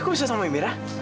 kok bisa ketemu amirah